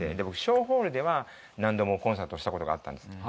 僕小ホールでは何度もコンサートした事があったんです。